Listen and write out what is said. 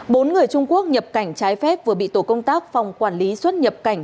bốn người trung quốc nhập cảnh trái phép vừa bị tổ công tác phòng quản lý xuất nhập cảnh